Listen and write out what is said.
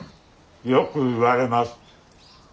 よく言われます。